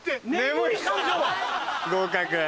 合格。